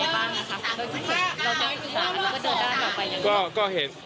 เราจะศึกษาและเดินได้ออกไปอย่างไร